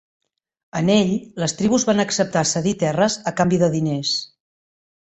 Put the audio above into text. En ell, les tribus van acceptar cedir terres a canvi de diners.